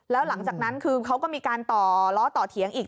แล้วหลังจากนั้นคือเขาก็มีการต่อล้อต่อเถียงอีก